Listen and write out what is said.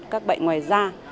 các bệnh ngoài da